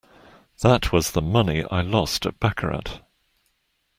That was the money I lost at baccarat.